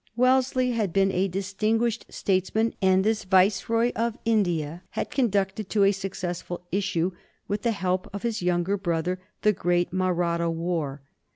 Wellesley had been a distinguished statesman, and as Viceroy of India had conducted to a successful issue, with the help of his younger brother, the great Mahratta war.